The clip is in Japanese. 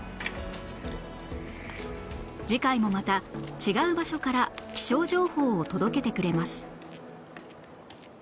次回もまた違う場所から気象情報を届けてくれます